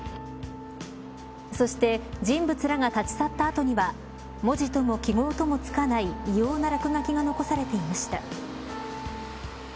そして人物らが立ち去った後には文字とも記号ともつかない異様な落書きが残されていました。